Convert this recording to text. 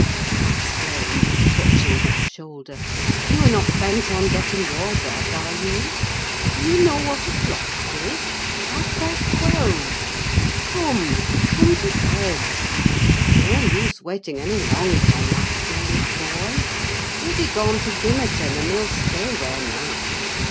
I exclaimed, touching her shoulder; "you are not bent on getting your death, are you? Do you know what o'clock it is? Half past twelve. Come, come to bed! there's no use waiting any longer on that foolish boy: he'll be gone to Gimmerton, and he'll stay there now.